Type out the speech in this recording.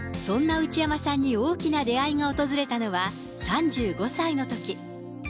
そんな内山さんに大きな出会いが訪れたのは、３５歳のとき。